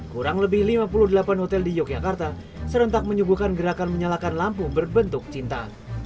kurang lebih lima puluh delapan hotel di yogyakarta serentak menyuguhkan gerakan menyalakan lampu berbentuk cinta